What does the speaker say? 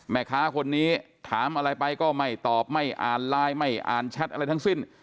แม่ค้าคนนี้ถามอะไรไปก็ไม่ตอบไม่อ่านไลน์ไม่อ่านแชทอะไรทั้งสิ้น